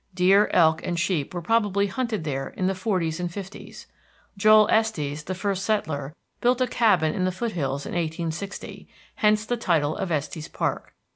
Deer, elk, and sheep were probably hunted there in the forties and fifties. Joel Estes, the first settler, built a cabin in the foothills in 1860, hence the title of Estes Park.